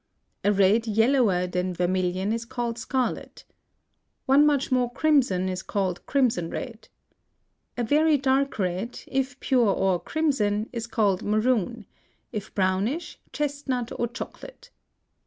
A red yellower than vermilion is called scarlet. One much more crimson is called crimson red. A very dark red, if pure or crimson, is called maroon; if brownish, chestnut or chocolate.